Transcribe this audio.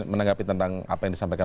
menanggapi tentang apa yang disampaikan